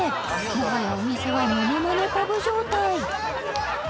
もはやお店はものまねパブ状態